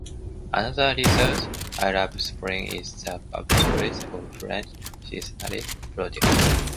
Another reason I love spring is the abundance of fresh, seasonal produce.